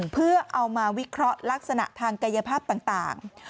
เพื่อเอามาวิเคราะห์ลักษณะทางกายภาพต่าง